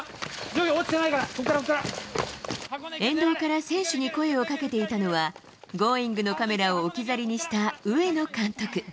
順位落ちてないから、ここから、沿道から選手に声をかけていたのは、Ｇｏｉｎｇ！のカメラを置き去りにした上野監督。